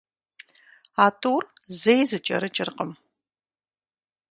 А тӀур зэи зэкӀэрыкӀыркъым.